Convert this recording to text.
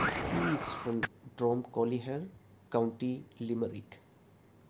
He is from Dromcolliher, County Limerick.